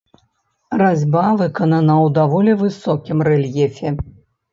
Разьба выканана ў даволі высокім рэльефе.